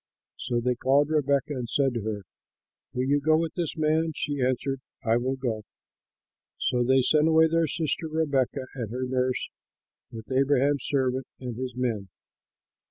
So they called Rebekah and said to her, "Will you go with this man?" She answered, "I will go." So they sent away their sister Rebekah and her nurse with Abraham's servant and his men.